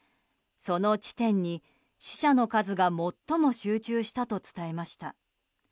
その地点に、死者の数が最も集中したと伝えました。